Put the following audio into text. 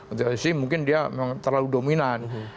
untuk lc mungkin dia memang terlalu dominan